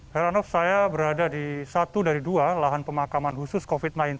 heranov saya berada di satu dari dua lahan pemakaman khusus covid sembilan belas